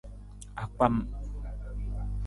Akpam.